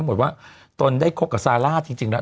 หมดว่าตนได้คบกับซาร่าจริงแล้ว